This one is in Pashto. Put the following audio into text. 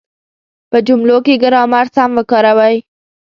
په جملو کې ګرامر سم وکاروئ.